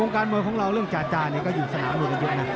วงการมวยของเราเรื่องจาจาก็อยู่สนามวยกันอยู่